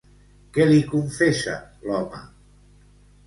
Què li confessa l'home?